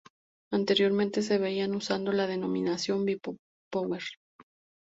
Anteriormente se venía usando la denominación Bi-Power.